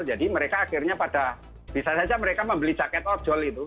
jadi mereka akhirnya pada bisa saja mereka membeli jaket ojol itu